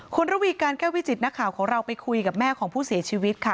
คุณระวีการแก้ววิจิตนักข่าวของเราไปคุยกับแม่ของผู้เสียชีวิตค่ะ